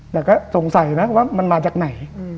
แต่ก็สงสัยนะว่ามันมาจากไหน